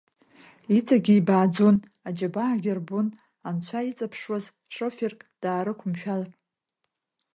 Иҵегьы ибааӡон, аџьабаагьы рбон анцәа иҵаԥшуаз шоферк даарықәымшәар.